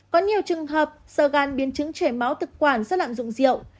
có nhiều trường hợp sơ gan biến chứng chảy máu thực quản do lạm dụng rượu